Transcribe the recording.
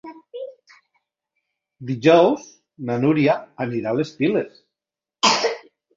Dijous na Núria anirà a les Piles.